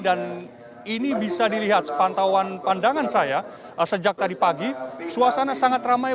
dan ini bisa dilihat pantauan pandangan saya sejak tadi pagi suasana sangat ramai